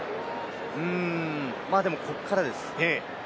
でも、ここからです。